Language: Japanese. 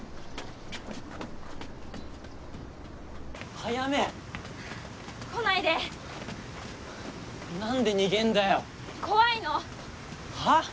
早梅来ないで何で逃げんだよ怖いのはあ？